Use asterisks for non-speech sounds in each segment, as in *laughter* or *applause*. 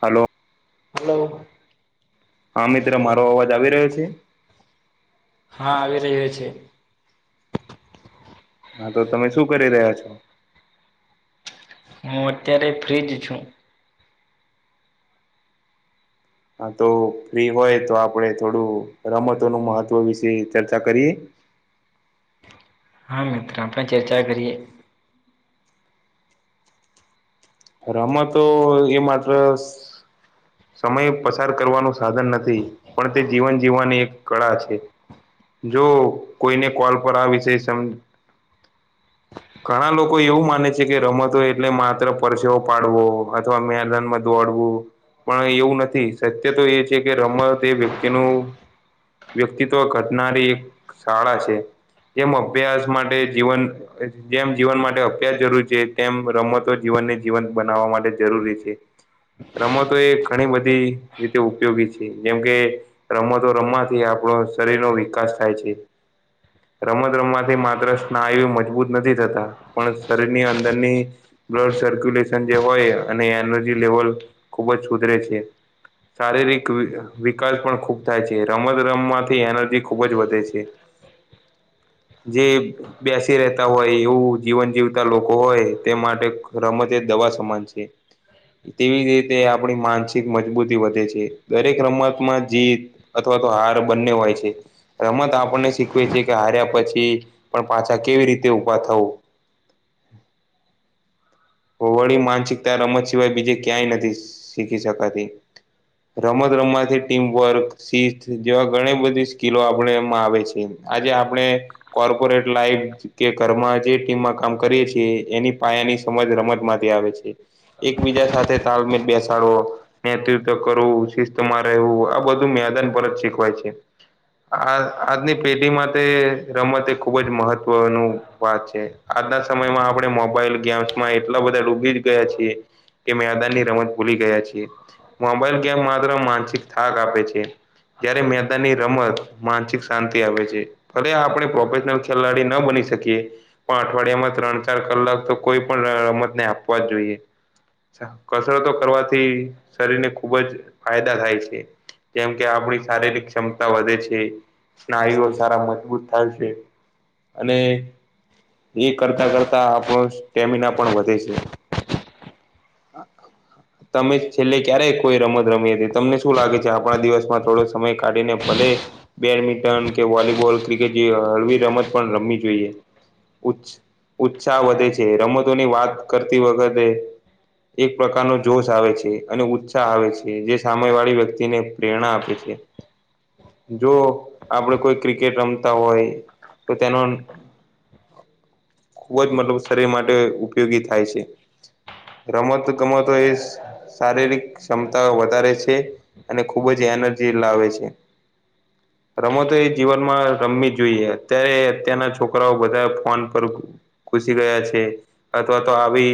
Hello hello હા મિત્ર મારો અવાજ આવી રહ્યો છે હા આવી રહ્યો છે હા તો તમે શું કરી રહ્યા છો હું અત્યારે ફ્રીજ છું હા તો ફ્રી હોય તો આપડે થોડું રમતોનું મહત્વ વિશે ચર્ચા કરીએ હા મિત્ર આપણે ચર્ચા કરીએ મા તો એ માત્ર સમય પસાર કરવાનું સાધન નથી પણ તે જીવન જીવવાની એક કળા છે જો કોઈને કોલ પર આ વિશે સ ઘણા લોકો એવું માને છે કે રમતો હોય એટલે માત્ર પરસેવ પાડવો અથવા મેદાનમાં દોડવું પણ એવું નથી સત્ય તો એ છે કે રમત એ વ્યક્તિનું વ્યક્તિત્વ ઘટનારી એક શાળા છે તેમ અભ્યાસ માટે જીવન જેમ જીવન માટે અભ્યાસ જરૂરી છે તેમ રમતો જીવનને જીવંત બનાવવા માટે જરૂરી છે રમતો એ ઘણી બધી રીતે ઉપયોગી છે જેમ કે રમતો રમવાથી આપડો શરીર નો વિકાસ થાય છે રમત રમવાથી માત્રરસ ના આયુ મજબૂત નથી થતા પણ શરીરની અંદરની બ્લડ સર્ક્યુલેશન જે હોય અને એનર્જી લેવલ ખુબ જ સુધરે છે શારીરિક વિકાસ પણ ખૂબ થાય છે રમત રમમાંથી એનર્જી ખૂબ જ વધે છે *inaudible* જે બેસી રે હોય એવું જીવન જીવતા લોકો હોય તે માટે રમત દવા સમાન છે તેવી જ રીતે આપણી માનસિક મજબૂતી વધે છે દરેક રમતમાં જીત અથવા તો હાર બંને હોય છે રમત આપણને શીખવે છે કે હાર્યા પછી પણ પાછા કેવી રીતે ઊભા થવું વળી માનસિકતા રમત સિવાય બીજે ક્યાંય નથી શીખી શકાતી રમત રમવાથી ટીમવર્ક શીત જેવા ઘણી બધી સ્કીલો આપણે એમાં આવે છે આજે આપણે કોર્પોરેટ લાઈફ કે ઘરમાં જે ટીમમાં કામ કરીએ છીએ એની પાયાની મજ રમત માંથી આવે છે એકબીજા સાથે તાલમેલ બેસાડવો નેતૃત્વ કરવું શિસ્તમાં રહેવું આ બધું મેદાન પર જ શીખવાય છે આ આજની પેઢીમાં રમત એ ખુબ જ મહત્વનું વાત છે આજના સમયમાં આપણે મોબાઈલ ગેમ્સ માં એટલા બધા ડૂબી જ ગયા છે કે મેદાન ની રમત ભૂલી ગયા છીએ મોબાઈલ ગેમ માત્ર માનસિક થાક આપે છે જયારે મેદાનની રમત માનસિક શાંતિ આપે છે ફરે આપણે પ્રોફેશનલ ખેલાડી ન બની શકીએ પણ અઠવાડિયામાં ત્રણ ચાર કલાક તો કોઈ પણ રમત ને આપવા જોઈએ કસરતો કરવાથી શરીરને ખુબ જ ફાયદા થાય છે જેમ કે આપણી શારીરિક ક્ષમતા વધે છે સ્નાયુઓ સારા મજબૂત થાય છે અને એ કરતાં કરતા આપણો સ્ટેમિના પણ વધે છે *inaudible* તમે છેલ્લે ક્યારેય કોઈ રમત રમી હતી? તમને શું લાગે છે આપણા દિવસમાં થોડો સમય કાઢીને ભલે બેડમિન્ટન કે વોલીબોલ ક્રિકેટ જેવી હળવી રમત પણ રમવી જોઈએ ઉત્સ ઉત્સાહ વધે છે રમતોની વાત કરતી વખતે એક પ્રકારનો જોશ આવે છે અને ઉત્સાહ આવે છે જે સાય વાળી વ્યક્તિને પ્રેરણા આપે છે *inaudible* જો આપડે કોઈ ક્રિકેટમ હોય તો તેનો ખુબ જ મતલબ શરીર માટે ઉપયોગી થાય છે રમત ગમતો એ શારીરિક ક્ષમતા વધારે છે અને ખુબ જ એનર્જી લાવે છે હ રમો તો એ જીવનમાં રમવી જોઈએ અત્યારે અત્યારના છોકરાઓ બધા ફોન પર ઘુસી ગયા છે અથવા તો આવી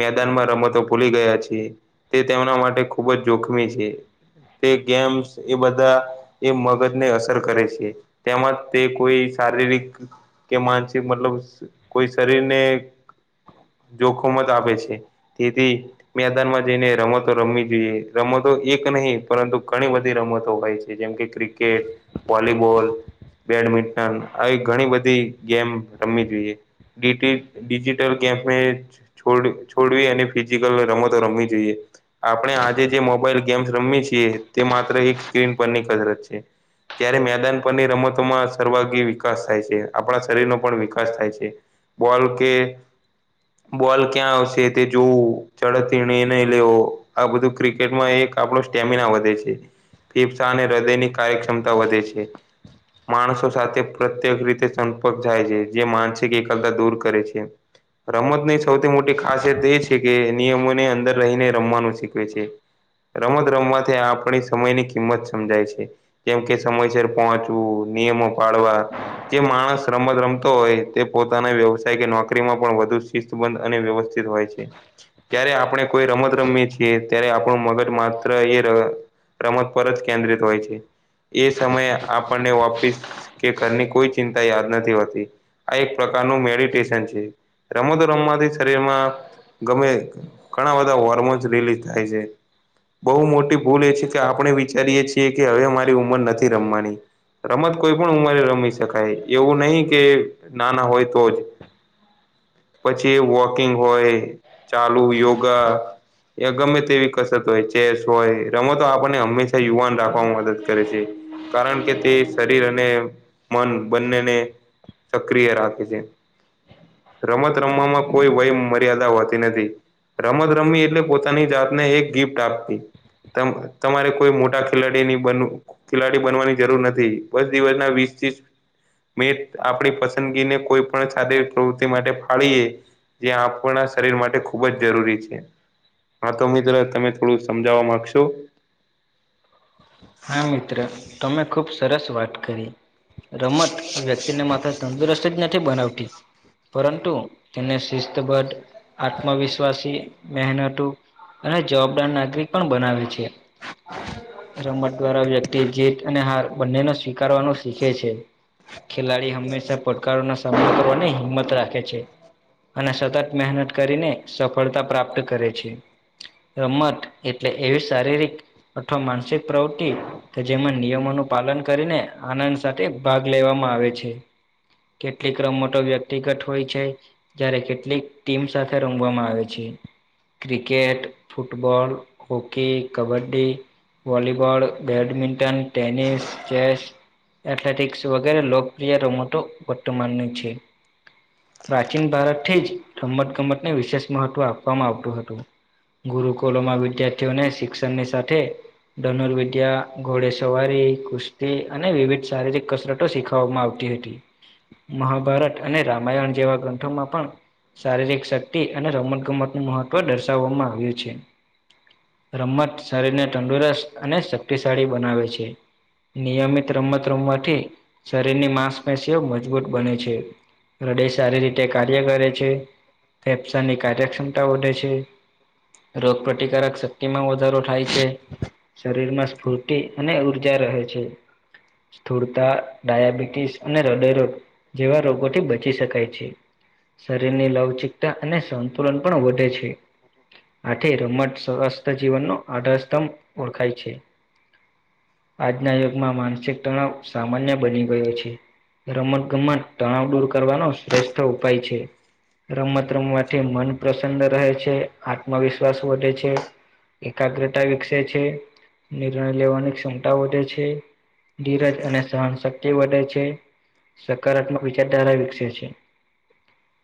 મેદાનમાં રમતો ભૂલી ગયા છે. તે તેમના માટે ખૂબ જ જોખમી છે. તે ગેમ્સ એ બધા એ મગજ ને અસર કરે છે તેમાં તે કોઈ શારીરિક કે માનસિક છે મતલબ કોઈ શરીરને જોખમત આપે છે. તેથી મેદાનમાં જઈને રમતો રમવી જોઈએ રમતો એક નહી પરંતુ ઘણી બધી રમતો હોય છે. જેમ કે ક્રિકેટ વોલીબોલ બેડમિન્ટન આવી ઘણી બધી ગેમ રમવી જોઈએ. *unintelligible* ડિજીિટલ ગેમ એજ છોડ છોડવી અને ફિઝિકલ રમો તો રમવી જોઈએ. આપણે આજે જે મોબાઈલ ગેમ્સ રમએ છીએ તે માત્ર એક સ્ક્રીન પરની કસરત છે. ત્યારે મેદાન પરની રમતોમાં સર્વાગી વિકાસ થાય છે આપણા શરીરનો પણ વિકાસ થાય છે. બોલ કે બોલ ક્યાં આવશે તે જોવું ચડક નિર્ણય નય લેવો આ બધું ક્રિકેટમાં એક આપ સ્ટેમિના વધે છે. ફફસા અને હૃદયની કાર્યક્ષમતા વધે છે. માણસો સાથે પ્રત્યેક રીતે સંપર્ક થાય છે જે માનસિક દૂર કરે છે. રમતની સૌથી મોટી ખાસિયત એ છે કે નિયમોને અંદર રહીને રમવાનું શીખવે છે. રમત રમત આપણી સમયની કિંમત સમજાય છે. જેમ કે સમયસર પહોંચવું, નિયમો પાળવા જે માણસ રમત રમતો હોય તે પોતાના વ્યવસાય કે નોકરીમાં પણ વધુ શિસ્તબંધ અને વ્યવસ્થિત હોય છે. જય્યારે આપણે કોઈ રમત રમએ છીએ ત્યારે આપણું મગજ માત્ર એ રમત પર જ કેન્દ્રિત હોય છે. એ સમયે આપણને વાપીસ કે ઘરની કોઈ ચિંતા યાદ નથી હોતી. આ પ્રકારનું મેડિટેશન છે. રમતો રમવાથી શરીરમાં ગમે ઘણા બધા હોર્મોન્સ રિલીઝ થાય છે. બહુ મોટી ભૂલ એ છે કે આપણે વિચારીએ છીએ કે હવે મારી ઉંમર નથી રમવાની. રમત કોઈ પણ ઉંમરે રમી શકાય. એવું નહી કે નાના હોય તો જ. પછી વોકિંગ હોય ચાલુ યોગા એ ગમે તેવી કસરત હોય ચેસ હોય રમતો આપણને હંમેશા યુવાન રાખવાવામાં મદદ કરે છે. કારણ કે તે શરીર અને મન બંનેને સક્રિય રાખે છે રમત રમવામાં કોઈ વય મર્યાદા હોતી નથી. રમત રમી એટલે પોતાની જાતને એક ગિફ્ટ આપતી. તમારે કોઈ મોટા ખેલાડી નહી બનવું ખેલાડી બનવાની જરૂર નથી. બસ દિવસના વીસ આપણી પસંદગી ને કોઈ પણ શારીરિક પ્રવૃતિ માટે ફાળએ જે આપણા શરીર માટે ખૂબ જ જરૂરી છે. હા તો મિત્ર તમે થોડું સમજાવવા માંગશો? હા મિત્ર તમે ખુબ સરસ વાત કરી. રમત વ્યક્તિને માત્ર તંદુરસ્ત જ નથી બનાવતી. પરંતુ તેને શિસ્તબદ્ધ આત્મવિશ્વાસી મહેનતું અને જવાબદાર નાગરિક પણ બનાવે છે. રમત દ્વારા વ્યક્તિ જીત અને હાર બંનેનો સ્વીકારવાનું શીખે છે. ખેલાડી હંમેશા પડકારોનો સામનો કરવાની હિંમત રાખે છે. અને સતત મહેનત કરીને સફળતા પ્રાપ્ત કરે છે. રમત એટલે એવી શારીરિક અથવા માનસિક પ્રવૃતિ કે જેમાં નિયમોનું પાલન કરીને, આનંદ સાથે ભાગ લેવામાં આવે છે. કેટલીક રમતો વ્યક્તિગત હોય છે. જયારે કેટલીક ટીમ સાથે રમવામાં આવે છે. Cricket, football, hockey, kabaddi volleyball, badminton, tennis, chess athletics વગેરે લોકપ્રિય રમતો વર્તુમાનની છે પ્રાચીન ભારત થીજ રમમત ગમતને વિશેષ મહત્વ આપવામાં આવતું હતું. ગુરુકુલોમાં વિદ્યાર્થીઓને શિક્ષણની સાથે ધનુરવિધ્યા, ઘોડેસવારી, કુસ્તી અને વિવિધ શારીરિક કસરત તો શીખાવામાં આવતી હતી, મહાભારત અને રામાયણ જેવા ગ્રંથોમાં પણ શારીરિક શક્તિ અને રમત ગમત નું મહત્વ દર્શાવવામાં આવ્યું છે. રમત શરીરને તંદુરસ્ત અને શક્તિશાળી બનાવે છે. નિયમિત રમત રમવાથી શરીરની માંસપેશીઓ મજબૂત બને છે. હૃદય સારી રીતે કાર્ય કરે છે, ફેફસાની કાર્યક્ષમતા વધે છે. રોગ પ્રતિકારક શક્તિમાં વધારો થાય છે. શરીર માં સ્ફૂર્તિ અને ઉર્જા રહે છે. થૂડતા, ડાયાબિટીસ અને હૃદયરોગ જેવા રોગોથી બચી શકાય છે. શરીરની લવચિકતા અને સંતુલન પણ વધે છે. આથી રમત સ્સ્વથ જીવનનો આધાર સ્તંભ ઓળખાય છે. આજના યુગમાં માનસિક તણાવ સામાન્ય બની ગયો છે. રમત ગમત તણાવ દૂર કરવાનો શ્રેષ્ઠ ઉપાય છે. રમત રમવાથી મન પ્રસન્ન રહે છે, આત્મવિશ્વાસ વધે છે. એકાગ્રતા વિક સે છે, નિર્ણય લેવાની ક્ષમતા વધે છે, ધીરજ અને સહનશક તી વધે છે, સકારાત્મક વિચારધારા વિકસે છે.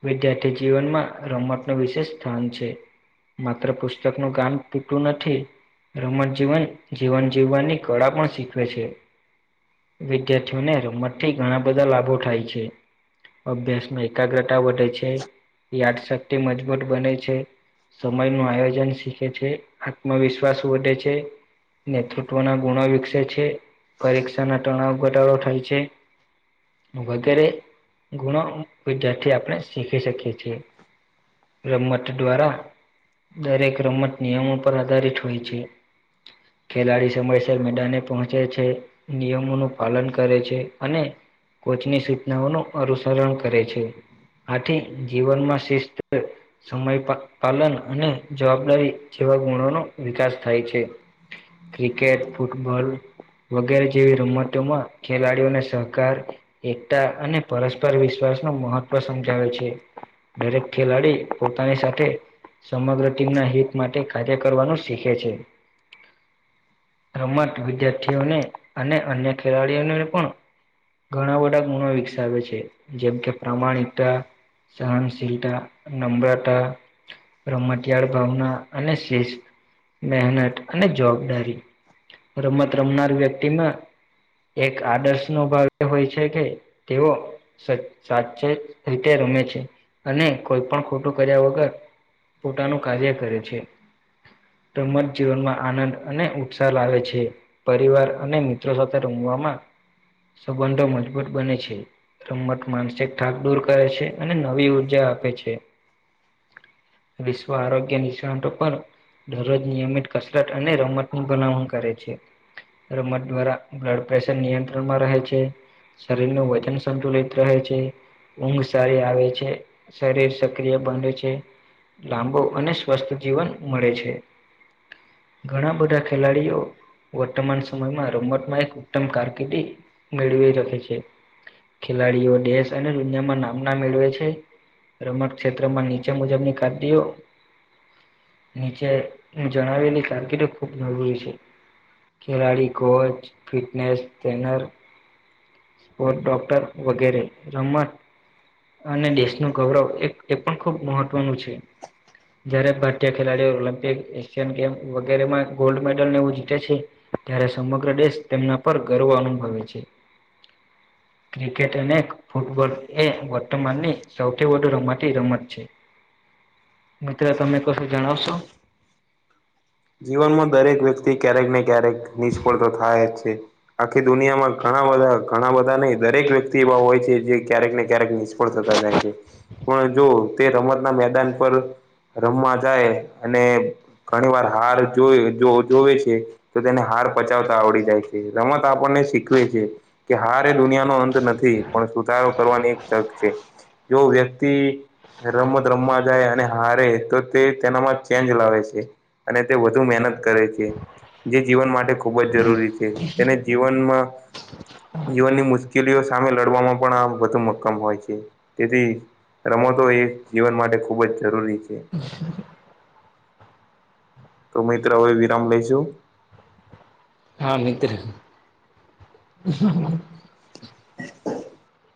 વિદ્યાર્થી જીવનમાં રમત નો વિશેષ સ્થાન છે. માત્ર પુસ્તકનું ગાન પૂરતું નથી. રમત જીવન, જીવન જીવવાની કળા પણ શીખવે છે. વિદ્યાર્થીઓને રમત થી ઘણા બધા લાભો થાય છે. અભ્યાસમાં એકાગ્રતા વધે છે, યાદ શક્તિ મજબૂત બને છે. સમય નું આયોજન શીખે છે, આત્મવિશ્વાસ વધે છે. નેતૃત્વના ગુણો વિકસે છે, પરીક્ષા ના તણાવ ઘટાડો થાય છે. વગેરે ગુણો વિદાર્થી આપણે શીખી શકીએ છીએ. રમત દ્વારા, દરેક રમત નિયમો પર આધારિત હોય છે. ખેલાડી સમયસર મેદાને પહંચે છે. નિયમોનું પાલન કરે છે, અને કોચની સૂચનાઓનું અનુસરણ કરે છે. આથી જીવનમાં શિસ્ત સમય પા પાલન અને જવાબદારી જેવા ગુણોનો વિકાસ થાય છે. ક્રિકેટ, ફુટબોલ વગેરે જેવી રમતોમાં ખેલાડીઓને સહકાર એકતા અને પરસ્પર વિશ્વાસ નું મહત્વ સમજાવે છે દરેક ખેલાડી પોતાની સાથે સમગ્ર ટીમના હિત માટે કાર્ય કરવાનું શીખે છે. રમત વિદ્યાર્થીઓને અને અન્ય ખેલાડીઓને ને પણ ઘણા બધા ગુણો વિકસાવે છે જેમ કે પ્રામાણિકતા સહનશીલતા નમ્રતા રમતિયાળ ભાવના અને શી મહેનત અને જવાબદારી રમત રમનાર વ્યક્તિમાં એક આદર્શ નો ભાવ હોય છે કે તેઓ સ સાચે રીતે રમે છે અને કોઈ પણ ખોટું કર્યા વગર પોતાનું કાર્ય કરે છે રમત જીવનમાં આનંદ અને ઉત્સાહ લાવે છે પરિવાર અને મિત્રો સાથે રમવામાં સંબંધો મજબૂત બને છે રમત માનસિક થાક દૂર કરે છે અને નવી ઉર્જા આપે છે વિશ્વ આરોગ્ય નિશત ઉપર દરરોજ નિયમિત કસરત અને રમતની ભલામણ કરે છે રમત દ્વારા બ્લડ પ્રેશર નિયંત્રણમાં રહે છે શરીર નુ વજન સંતુલિત રહે છે ઊંઘ સારી આવે છે શરીર સક્રિય બને છે લાંબો અને સ્વસ્થ જીવન મળે છે ઘણા બધા ખેલાડીઓ વર્તમાન સમયમાં રોબોટમાં એક ઉત્તમ કારકિર્દી મેળવી રખે છે ખેલાડીઓ દેશ અને દુનિયામાં નામના મેળવે છે રમટ ક્ષેત્રમાં નીચે મુજબની કારકિર્દી ઓ નીચે જણાવેલી કારકિર્ ખૂબ જરૂરી છે. ખેલાડી કોચ ફિટનેસ ટ્રેનર. ડોક્ટર વગેરે, રમત અને દેશનું ગૌરવ એ પણ ખૂબ મહત્વનું છે. જયારે ભારતીય ખેલાડીઓ ઓલિમ્પિક એશિયન ગેમ વગેરેમાં ગોલ્ડ મેડલ ને એવું જીતે છે. ત્યારે સમગ્ર દેશ તેમના પર ગર્વ અનુભવે છે. ક્રિકેટ અને ફૂટબોલ એ વર્તમાનની સૌથી વધુ રમતી રમત છે. મિત્રો તમે કશું જણાવશો? જીવનમાં દરેક વ્યક્તિ ક્યારેક ને ક્યારેક નિષ્ફળ તો થાય જ છે. આખી દુનિયામાં ઘણા બધા ઘણા બધા ને દરેક વ્યક્તિ એવા હોય છે જે ક્યારેક ને ક્યારેક નિ થતા જાય છે. પણ જો તે રમતના મેદાન પર રમવા જાય, અને ઘણી વાર હાર જોવે જોવે છે. તો તેને હાર પચાવતા આવડી જાય છે રમત આપણને શીખવે છે, કે હાર એ દુનિયાનો નથી પણ સુધારો કરવાની એક તક છે, જો વ્યક્તિ રમત રમવા જાય અને હારે તો તે તેનામાં ચેન્જ લાવે છે. અને તે વધુ મહેનત કરે છે. જે જીવન માટે ખૂબ જ જરૂરી છે તેને જીવનમાં જીવનની મુશ્કેલીઓ સામે લડવામાં પણ આ વધુ મક્કમ હોય છે, તેથી રમતો એ જીવન માટે ખૂબ જ જરૂરી છે. તો મિત્ર હવે વિરામ લઈશું. હા મિત્ર. હ *inaudible*